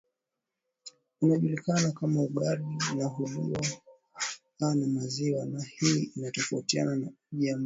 unajulikana kama ugali na huliwa na maziwa na hii inatofautiana na uji ambayo hutayarishwa